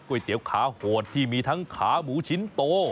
เตี๋ยวขาโหดที่มีทั้งขาหมูชิ้นโต